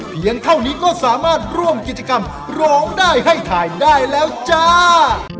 เท่านี้ก็สามารถร่วมกิจกรรมร้องได้ให้ถ่ายได้แล้วจ้า